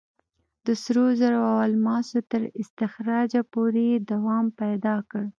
د سرو زرو او الماسو تر استخراجه پورې یې دوام پیدا کړ.